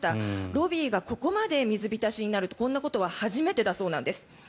ロビーがここまで水浸しになるというこんなことは初めてだそうなんです。